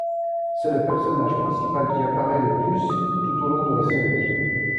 C'est le personnage principal qui apparaît le plus tout au long de la série.